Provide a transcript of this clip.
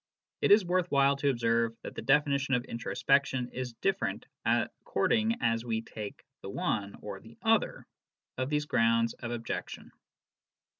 It is worth while to observe that the definition of introspection is different according as we take the one or the other of these grounds of objection.